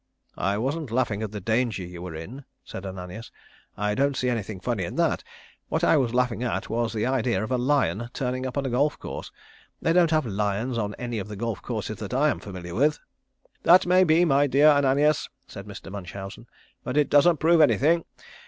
"I wasn't laughing at the danger you were in," said Ananias. "I don't see anything funny in that. What I was laughing at was the idea of a lion turning up on a golf course. They don't have lions on any of the golf courses that I am familiar with." "That may be, my dear Ananias," said Mr. Munchausen, "but it doesn't prove anything.